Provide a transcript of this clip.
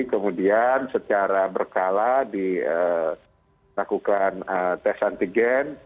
kemudian secara berkala dilakukan tes antigen